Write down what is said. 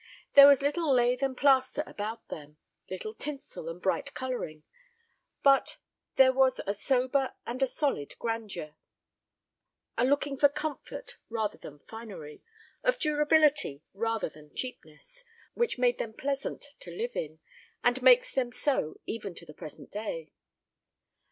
There was little lath and plaster about them, little tinsel and bright colouring; but there was a sober and a solid grandeur, a looking for comfort rather than finery, of durability rather than cheapness, which made them pleasant to live in, and makes them so even to the present day.